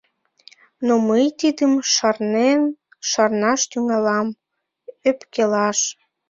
Но мый тидым шарнем, шарнаш тӱҥалам, ӧпкелаш!